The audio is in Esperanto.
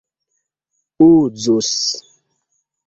uzus